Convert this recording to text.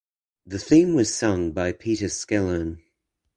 The theme was sung by Peter Skellern.